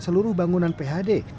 seluruh bangunan phd